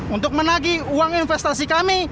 untuk menagi uang investasi kami